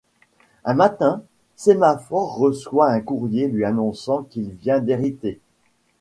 Un matin, Sémaphore reçoit un courrier lui annonçant qu'il vient d'hériter.